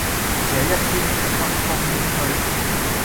這一天，北風輕吹